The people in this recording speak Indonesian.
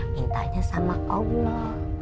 mintanya sama allah